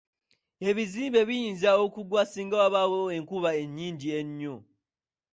Ebizimbe biyinza okugwa singa wabaawo enkuba ennyingi ennyo.